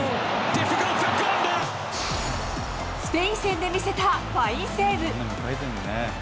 スペイン戦で見せたファインセーブ。